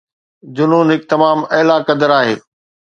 جنون هڪ تمام اعلي قدر آهي.